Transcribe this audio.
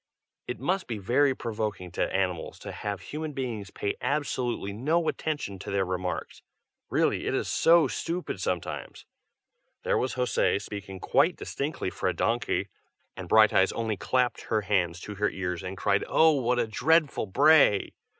It must be very provoking to animals to have human beings pay absolutely no attention to their remarks. Really, it is so stupid sometimes. There was José, speaking quite distinctly for a donkey, and Brighteyes only clapped her hands to her ears and cried "Oh! what a dreadful bray!"